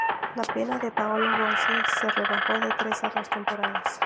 La pena de Paolo Rossi se rebajó de tres a dos temporadas.